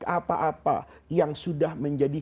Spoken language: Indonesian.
apa apa yang sudah menjadi